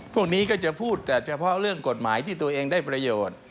พวกนี้ก็จะพูดแต่เฉพาะเรื่องกฎหมายที่ตัวเองได้ประโยชน์